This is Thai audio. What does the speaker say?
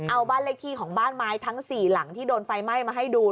เอาบ้านเลขที่ของบ้านไม้ทั้ง๔หลังที่โดนไฟไหม้มาให้ดู